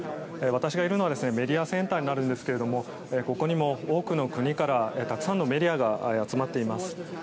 私がいるのはメディアセンターになるんですがここにも多くの国からたくさんのメディアが集まっています。